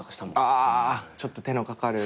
あちょっと手のかかる。